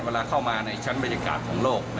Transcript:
เวลาเข้ามาในชั้นบรรยากาศของโลก